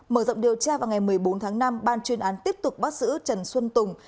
mở rộng điều tra vào ngày một mươi bốn tháng năm ban chuyên án tiếp tục bắt giữ trần xuân tùng